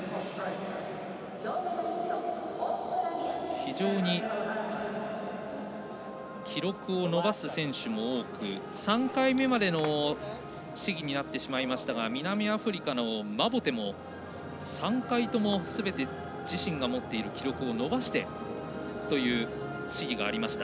非常に記録を伸ばす選手も多く３回目までの試技になってしまいましたが南アフリカのマボテも３回ともすべて自身が持っている記録を伸ばしてという試技がありました。